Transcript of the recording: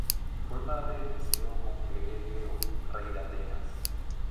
Fue madre de Teseo con Egeo, rey de Atenas.